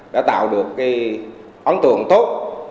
đã tạo được ấn tượng tốt